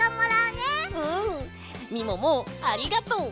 うんみももありがとう。